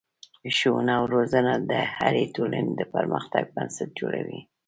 ښوونه او روزنه د هرې ټولنې د پرمختګ بنسټ جوړوي.